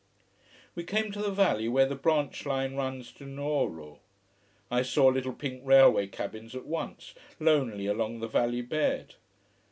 We came to the valley where the branch line runs to Nuoro. I saw little pink railway cabins at once, lonely along the valley bed.